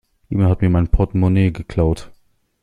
Jemand hat mir mein Portmonee geklaut.